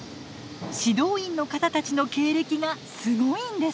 指導員の方たちの経歴がすごいんです。